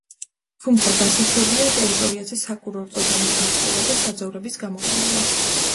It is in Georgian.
თუმცა დასაშვებია ტერიტორიაზე საკურორტო ზონის მოწყობა და საძოვრების გამოყენება.